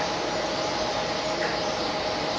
ต้องเติมเนี่ย